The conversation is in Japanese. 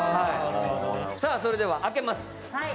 それでは開けます。